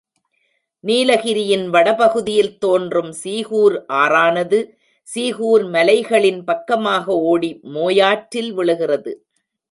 நீலகிரியின் வடபகுதியில் தோன்றும் சீகூர் ஆறானது சீகூர் மலைகளின் பக்கமாக ஓடி மோயாற்றில் விழுகிறது.